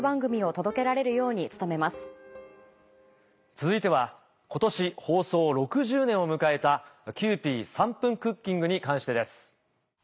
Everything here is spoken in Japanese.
続いては今年放送６０年を迎えた『キユーピー３分クッキング』に関してです。